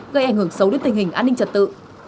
gây ảnh hưởng xấu đến tình hình an ninh trật tự